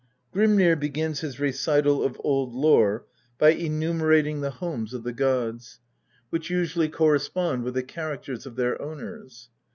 Grimnir begins his recital of old lore by enumerating the homes of INTRODUCTION. xin the gods, which usually correspond with the characters of their owners.